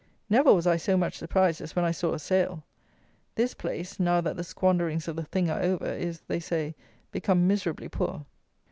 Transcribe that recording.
Never was I so much surprised as when I saw a sail. This place, now that the squanderings of the THING are over, is, they say, become miserably poor.